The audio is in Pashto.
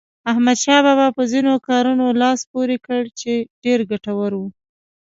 احمدشاه بابا په ځینو کارونو لاس پورې کړ چې ډېر ګټور وو.